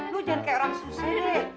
lu jangan kaya orang susih deh